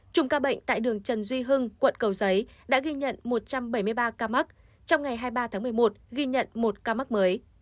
trùng ca bệnh tại đường trần duy hưng quận cầu giấy đã ghi nhận một trăm bảy mươi ba ca mắc trong ngày hai mươi ba tháng một mươi một ghi nhận một ca mắc mới